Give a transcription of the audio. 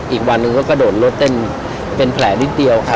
อีกวันหนึ่งก็กระโดดรถเต้นเป็นแผลนิดเดียวครับ